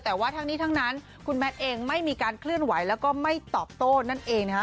แต่ว่าทั้งนี้ทั้งนั้นคุณแมทเองไม่มีการเคลื่อนไหวแล้วก็ไม่ตอบโต้นั่นเองนะคะ